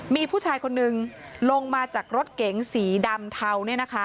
มีผู้ชายคนนึงลงมาจากรถเก๋งสีดำเทา